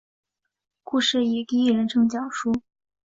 故事以第一人称讲述。